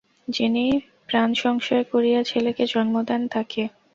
যিনি প্রাণসংশয় করিয়া ছেলেকে জন্ম দেন তাঁকে।